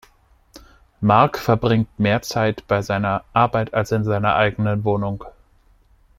Mark verbringt mehr Zeit bei seiner Arbeit als in seiner eigenen Wohnung.